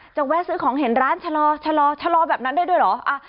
แวะซื้อของเห็นร้านชะลอชะลอชะลอแบบนั้นได้ด้วยเหรอ